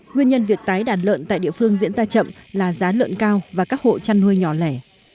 nguyên nhân việc tái đàn lợn tại địa phương diễn ra chậm là giá lợn cao và các hộ chăn nuôi nhỏ lẻ